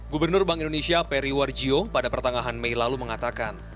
gubernur bank indonesia peri warjio pada pertengahan mei lalu mengatakan